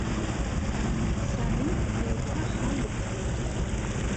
Sami yella yebɣa axxam deg tmurt.